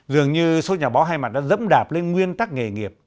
dường như số nhà báo hai mặt đã dẫm đạp lên nguyên tắc nghề nghiệp